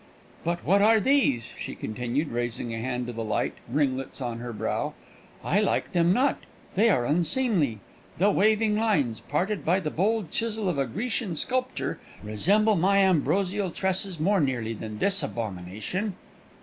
"But what are these?" she continued, raising a hand to the light ringlets on her brow. "I like them not they are unseemly. The waving lines, parted by the bold chisel of a Grecian sculptor, resemble my ambrosial tresses more nearly than this abomination."